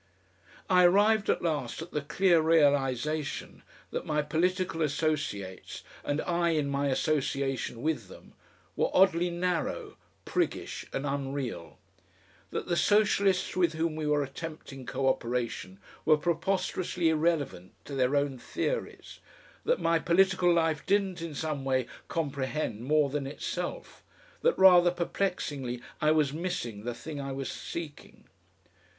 I arrived at last at the clear realisation that my political associates, and I in my association with them, were oddly narrow, priggish, and unreal, that the Socialists with whom we were attempting co operation were preposterously irrelevant to their own theories, that my political life didn't in some way comprehend more than itself, that rather perplexingly I was missing the thing I was seeking.